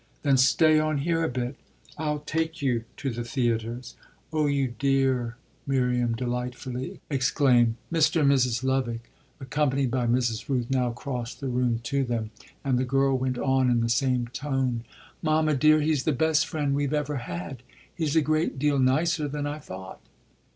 "Then stay on here a bit. I'll take you to the theatres." "Oh you dear!" Miriam delightedly exclaimed. Mr. and Mrs. Lovick, accompanied by Mrs. Rooth, now crossed the room to them, and the girl went on in the same tone: "Mamma dear, he's the best friend we've ever had he's a great deal nicer than I thought."